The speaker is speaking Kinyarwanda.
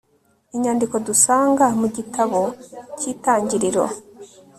Inyandiko dusanga mu gitabo cyItangiriro